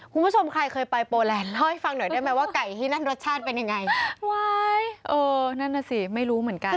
คุณผู้ชมใครเคยไปโปแลนด์เล่าให้ฟังหน่อยได้ไหมว่าไก่ที่นั่นรสชาติเป็นยังไงว้ายเออนั่นน่ะสิไม่รู้เหมือนกัน